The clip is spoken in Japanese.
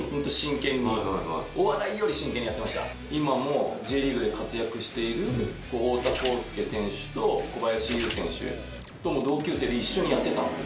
今もＪリーグで活躍している太田宏介選手と小林悠選手とも同級生で一緒にやってたんですよ